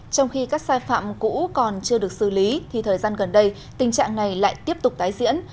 trong khi các sai phạm cũ còn chưa được xử lý thì thời gian gần đây tình trạng này lại tiếp tục tái diễn